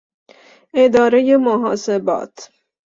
ادارهُ محاسبات